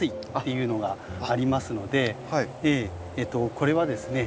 これはですね